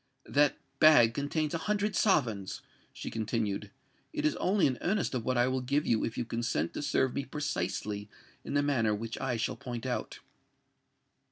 "That bag contains a hundred sovereigns," she continued: "it is only an earnest of what I will give if you consent to serve me precisely in the manner which I shall point out."